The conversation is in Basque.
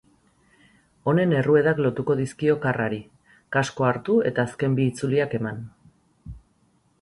Honek erruedak lotuko dizkio karrari, kaskoa hartu eta azken bi itzuliak eman.